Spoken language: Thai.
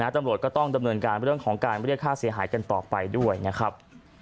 ตำรวจก็ต้องดำเนินการเรื่องของการเรียกค่าเสียหายกันต่อไปด้วยนะครับ